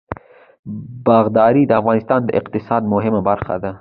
باغداري د افغانستان د اقتصاد مهمه برخه ده.